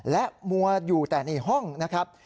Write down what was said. และมัวอยู่แต่ในห้องนะครับ